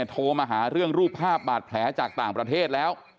โทรมาหาเรื่องรูปภาพบาดแผลจากต่างประเทศแล้ว